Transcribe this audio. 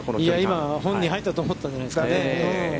今、本人は入ったと思ったんじゃないですか。